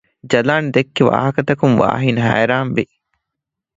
ޖަލާން ދެއްކި ވާހަކަ ތަކުން ވާހިން ހައިރާން ވި